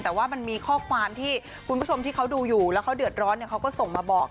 แต่ว่ามันมีข้อความที่คุณผู้ชมที่เขาดูอยู่แล้วเขาเดือดร้อนเขาก็ส่งมาบอก